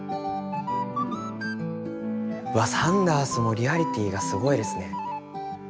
わっサンダースもリアリティーがすごいですね。